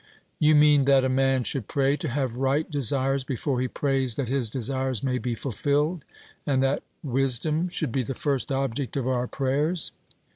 'You mean that a man should pray to have right desires, before he prays that his desires may be fulfilled; and that wisdom should be the first object of our prayers?'